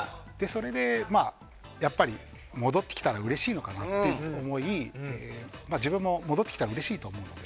それで、やっぱり戻ってきたらうれしいと思い自分も戻ってきたらうれしいと思って。